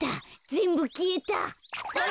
ぜんぶきえた。